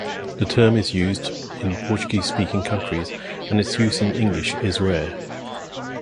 The term is used in Portuguese-speaking countries, and its use in English is rare.